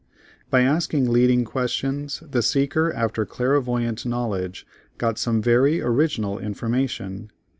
By asking leading questions the seeker after clairvoyant knowledge got some very original information.